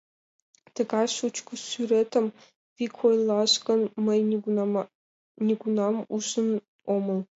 Тыгай шучко сӱретым, вик ойлаш гын, мый нигунам ужын омыл.